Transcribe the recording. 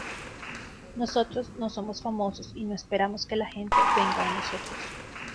Nosotros no somos famosos y no esperamos que la gente venga a nosotros.